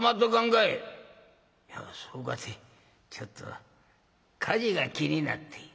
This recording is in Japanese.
「いやそうかてちょっと火事が気になって」。